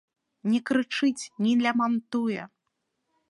Не крычыць, не лямантуе.